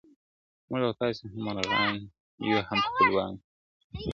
• موږ او تاسي هم مرغان یو هم خپلوان یو -